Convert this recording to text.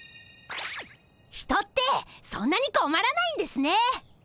人ってそんなにこまらないんですね！